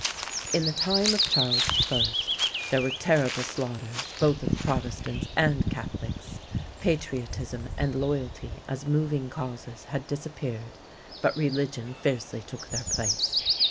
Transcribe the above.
In the time of Charles I. there were terrible slaughters both of Protestants and Catholics. Patriotism and loyalty as moving causes had disappeared, but religion fiercely took their place.